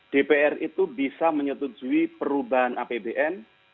dpr itu bisa menyetujui perubahan apbn